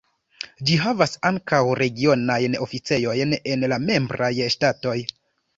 Ĝi havas ankaŭ regionajn oficejojn en la membraj ŝtatoj.